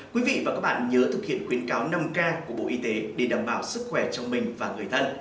quý vị và các bạn nhớ thực hiện khuyến cáo năm k của bộ y tế để đảm bảo sức khỏe cho mình và người thân